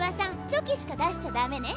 チョキしか出しちゃダメね！